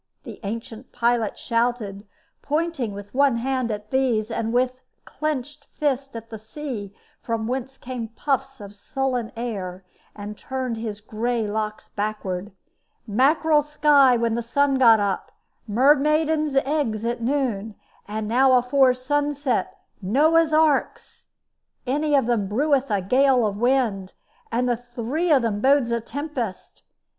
the ancient pilot shouted, pointing with one hand at these, and with a clinched fist at the sea, whence came puffs of sullen air, and turned his gray locks backward. "Mackerel sky when the sun got up, mermaiden's eggs at noon, and now afore sunset Noah's Arks! Any of them breweth a gale of wind, and the three of them bodes a tempest.